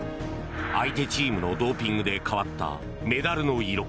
相手チームのドーピングで変わったメダルの色。